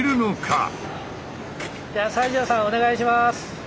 じゃあ西城さんお願いします！